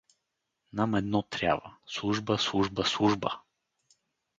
Нам едно трябва: служба, служба, служба!